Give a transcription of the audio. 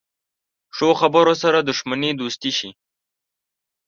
ښو خبرو سره دښمني دوستي شي.